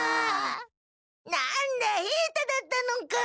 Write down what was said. なんだ平太だったのか。